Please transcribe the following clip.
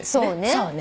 そうね。